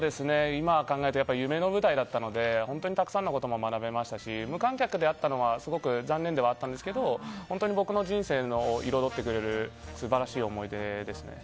今、考えるとやっぱり夢の舞台だったので本当にたくさんのことも学べましたし無観客であったのがすごく残念ではあったんですが本当に僕の人生を彩ってくれる素晴らしい思い出ですね。